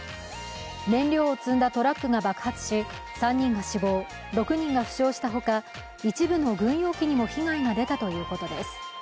燃料を積んだトラックが爆発し３人が死亡、６人が負傷したほか一部の軍用機にも被害が出たということです。